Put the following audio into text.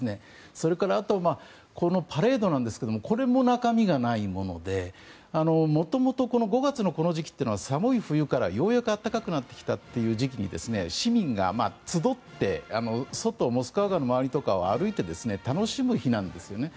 それから、あとはこのパレードですがこれも中身がないもので元々、５月のこの時期というのは寒い時期からようやく暖かくなってきたという時期に市民が集って、外モスクワ川の周りとかを歩いて楽しむ日なんですよね。